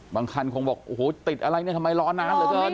บางคันคงบอกโอ้โฮติดอะไรทำไมล้อน้ำเหลือเกิน